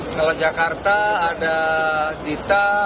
kalau jakarta ada zita